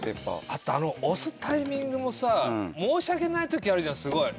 あと押すタイミングも申し訳ないときあるじゃんすごい。